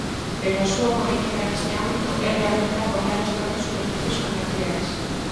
Pero a súa política neste ámbito é realmente apoiar as grandes superficies comerciais.